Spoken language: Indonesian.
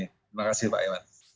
terima kasih pak iwan